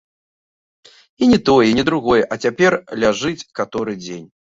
І ні той, і ні другой, а цяпер ляжыць каторы дзень.